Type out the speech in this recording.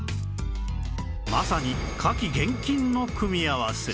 まさに火気厳禁の組み合わせ